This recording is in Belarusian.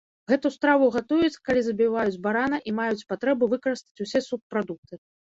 Гэту страву гатуюць, калі забіваюць барана і маюць патрэбу выкарыстаць усе субпрадукты.